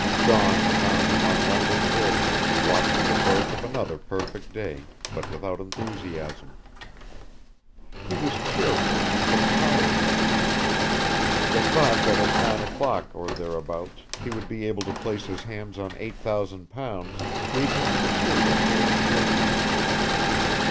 Dawn found him on London Bridge, watching the birth of another perfect day, but without enthusiasm. He was cheerful but tired. The thought that at nine o'clock or thereabouts, he would be able to place his hands on eight thousand pounds, gave him the material for his cheerfulness.